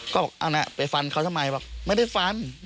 ก็ไปฟันเขาสมัยว่าไม่ได้ฟัน